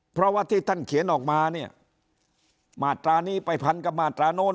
เพราะว่าที่ท่านเขียนออกมาเนี่ยมาตรานี้ไปพันกับมาตราโน้น